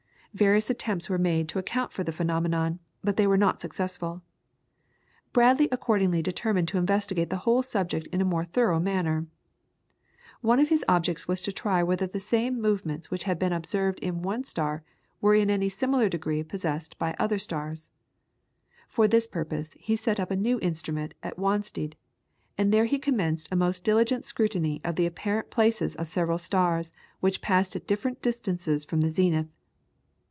Various attempts were made to account for the phenomenon, but they were not successful. Bradley accordingly determined to investigate the whole subject in a more thorough manner. One of his objects was to try whether the same movements which he had observed in one star were in any similar degree possessed by other stars. For this purpose he set up a new instrument at Wanstead, and there he commenced a most diligent scrutiny of the apparent places of several stars which passed at different distances from the zenith.